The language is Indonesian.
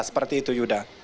seperti itu yuda